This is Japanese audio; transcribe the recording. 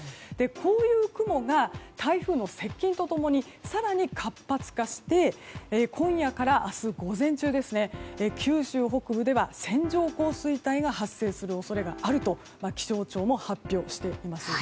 こういう雲が台風の接近と共に更に活発化して今夜から明日午前中九州北部では線状降水帯が発生する恐れがあると気象庁も発表しています。